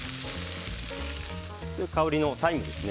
香りのタイムですね。